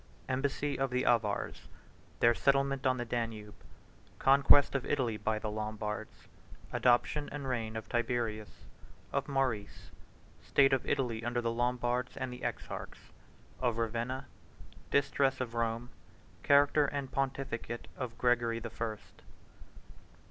—Embassy Of The Avars.—Their Settlement On The Danube.—Conquest Of Italy By The Lombards.—Adoption And Reign Of Tiberius.—Of Maurice.—State Of Italy Under The Lombards And The Exarchs.—Of Ravenna.—Distress Of Rome.—Character And Pontificate Of Gregory The First.